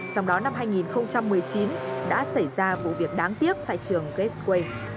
trong đó năm hai nghìn một mươi chín đã xảy ra vụ việc đáng tiếc tại trường gateway